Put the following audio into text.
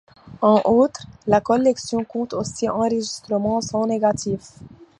En outre, la collection compte aussi enregistrements sans négatifs.